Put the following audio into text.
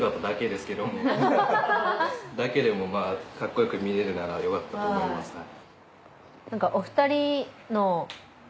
だけでもまぁかっこよく見えるならよかったと思いますはい。